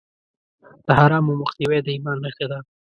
د حرامو مخنیوی د ایمان نښه ده.